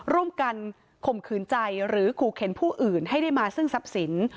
ร่วมกันข่มขืนใจหรือขู่เข็นผู้อื่นให้ได้มาซึ่งทรัพย์สิน